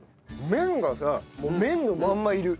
麺がさ麺のまんまいる。